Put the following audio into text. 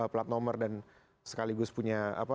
plat nomor dan sekaligus punya apa